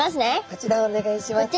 こちらお願いします。